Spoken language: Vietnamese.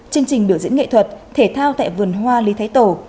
chương trình biểu diễn nghệ thuật thể thao tại vườn hoa lý thái tổ